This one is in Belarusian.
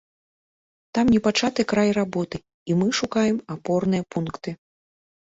Там непачаты край работы, і мы шукаем апорныя пункты.